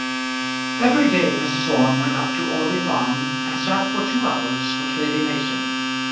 Every day Mrs. Orme went up to Orley Farm and sat for two hours with Lady Mason.